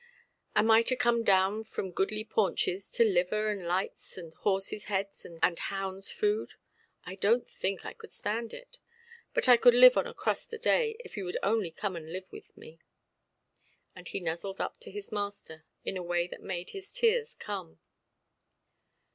Am I to come down from goodly paunches to liver and lights and horses' heads and hounds' food? I donʼt think I could stand it. But I would live on a crust a day, if you would only come and live with me". And he nuzzled up to his master, in a way that made his tears come.